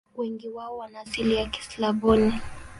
Wengi wao wana asili ya Kislavoni.